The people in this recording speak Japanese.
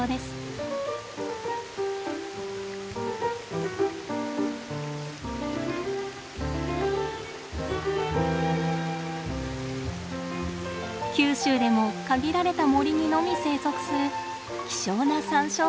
九州でも限られた森にのみ生息する希少なサンショウウオです。